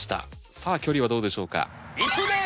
さあ距離はどうでしょうか？